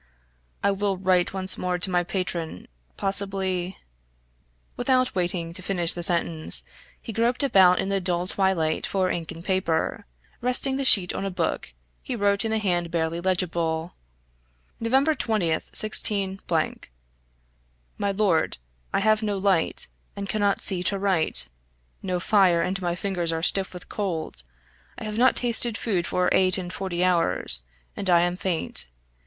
"I will write once more to my patron possibly " without waiting to finish the sentence, he groped about in the dull twilight for ink and paper; resting the sheet on a book, he wrote in a hand barely legible: "Nov. 20th 16 , "MY LORD I have no light, and cannot see to write no fire and my fingers are stiff with cold I have not tasted food for eight and forty hours, and I am faint.